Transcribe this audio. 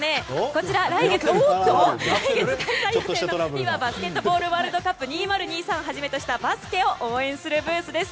こちら、来月開催予定のＦＩＢＡバスケットボールワールドカップ２０２３をはじめとしたバスケを応援するブースです。